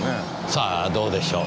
さあどうでしょう。